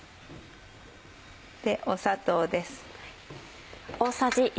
砂糖です。